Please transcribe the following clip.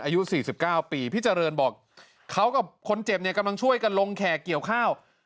อายุ๔๙ปีพี่เจริญบอกเขากับคนเจ็บเนี่ยกำลังช่วยกันลงแขกเกี่ยวข้าว